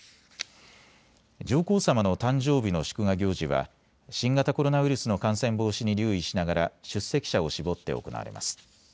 上皇さまの誕生日の祝賀行事は新型コロナウイルスの感染防止に留意しながら出席者を絞って行われます。